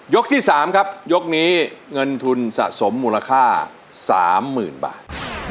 ที่๓ครับยกนี้เงินทุนสะสมมูลค่า๓๐๐๐บาท